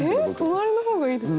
隣の方がいいです。